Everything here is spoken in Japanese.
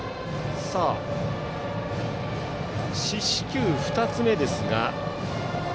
四死球２つ目です。